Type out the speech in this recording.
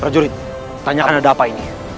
prajurit tanyakan ada apa ini